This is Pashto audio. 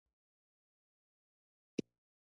پسه فکر کاوه چې زموږ دروازه د ده د چپلو ده.